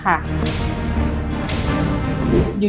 ใครขึ้น